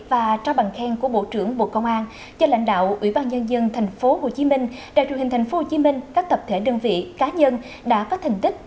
và trao bằng khen của bộ trưởng bộ công an cho lãnh đạo ủy ban nhân dân tp hcm đài truyền hình tp hcm các tập thể đơn vị cá nhân đã có thành tích